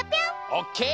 オッケー！